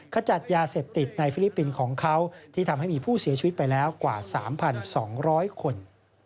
ขจัดยาเสพติดในฟิลิปปินส์ของเขาที่ทำให้มีผู้เสียชีวิตไปแล้วกว่า๓๒๐๐คน